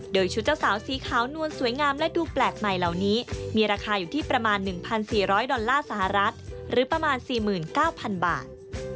โดยชุดเจ้าสาวสีขาวนวลสวยงามและดูแปลกใหม่เหล่านี้มีราคาอยู่ที่ประมาณ๑๔๐๐ดอลลาร์สหรัฐหรือประมาณ๔๙๐๐บาท